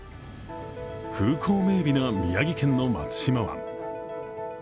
風光明媚な宮城県の松島湾。